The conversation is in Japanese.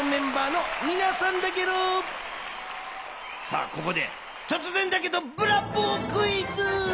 さあここでとつぜんだけどブラボークイズ！